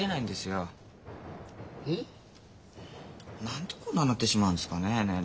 何でこんななってしまうんですかねえ